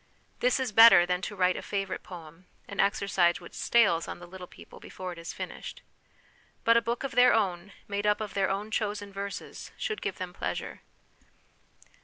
This is better than to write a favourite poem, an exercise which stales on the little people before it is finished. But a book of their own, made up of their own chosen verses, should give them pleasure.